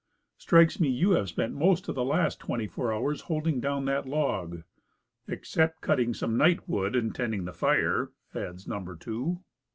Strikes me you have spent most of the last twenty four hours holding down that log." "Except cutting some night wood and tending the fire," adds number two.